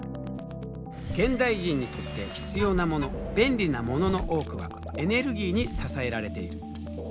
現代人にとって必要なもの便利なものの多くはエネルギーに支えられている。